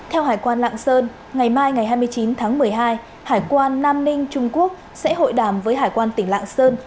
theo hải quan lạng sơn ngày mai ngày hai mươi chín tháng một mươi hai hải quan nam ninh trung quốc sẽ hội đàm với hải quan tỉnh lạng sơn